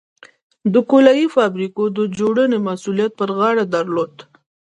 د کولالۍ فابریکو د جوړونې مسوولیت پر غاړه درلود.